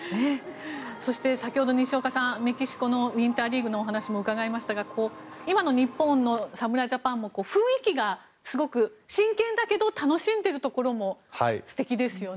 そして、先ほど西岡さんメキシコのウィンターリーグのお話も伺いましたが今の日本の侍ジャパンも雰囲気がすごく真剣だけど楽しんでいるところも素敵ですよね。